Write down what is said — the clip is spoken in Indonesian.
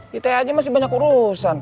kita aja masih banyak urusan